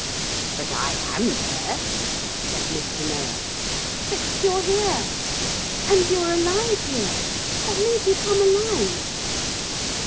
'But I am there,' said Mr. Noah. 'But you're here. And you're alive here. What made you come alive?'